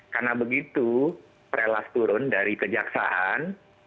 karena begitu prelas turun dari kejaksaan